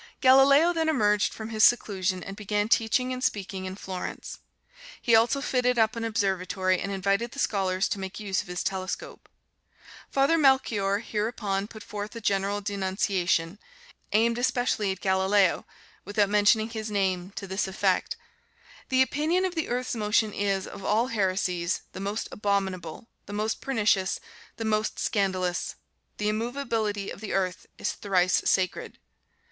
Galileo then emerged from his seclusion and began teaching and speaking in Florence. He also fitted up an observatory and invited the scholars to make use of his telescope. Father Melchior hereupon put forth a general denunciation, aimed especially at Galileo, without mentioning his name, to this effect: "The opinion of the earth's motion is, of all heresies, the most abominable, the most pernicious, the most scandalous: the immovability of the earth is thrice sacred.